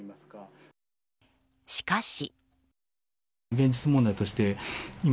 しかし。